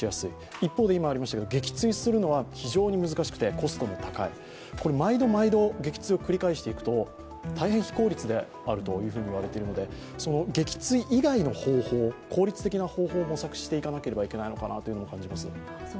一方で今ありましたけれども、撃墜するのは非常に難しくて、コストも高い、これ、毎度毎度、撃墜を繰り返していくと大変非効率であると言われているので、撃墜以外の方法、効率的な方法を模索していかなければいけないのかなと感じます。